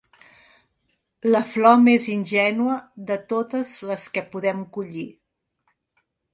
La flor més ingènua de totes les que podem collir.